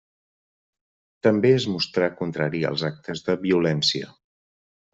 També es mostrà contrari als actes de violència.